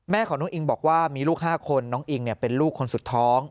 แม่ของน้องอิงบอกว่ามีลูก๕คนน้องอิงเป็นลูกคนสุดท้อง